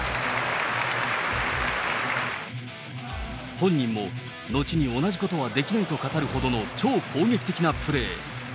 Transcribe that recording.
本人も、後に同じことはできないと語るほどの、超攻撃的なプレー。